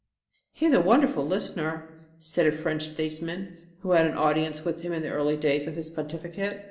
"He is a wonderful listener," said a French statesman who had an audience with him in the early days of his pontificate.